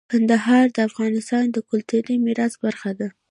کندهار د افغانستان د کلتوري میراث برخه ده.